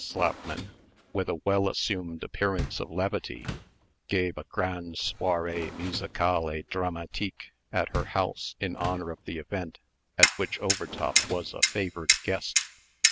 Slapman, with a well assumed appearance of levity, gave a grande soirée musicale et dramatique at her house, in honor of the event, at which Overtop was a favored guest.